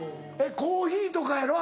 コーヒーとかやろ？